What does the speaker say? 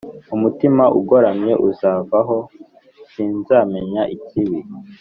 Umutima ugoramye uzamvaho Sinzamenya ikibi